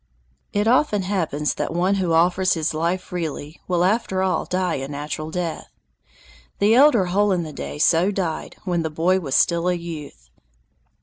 It often happens that one who offers his life freely will after all die a natural death. The elder Hole in the Day so died when The Boy was still a youth.